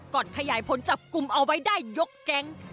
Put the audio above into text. กอดขยายพ้นจับกุมเอาไว้ได้ยกแก๊ง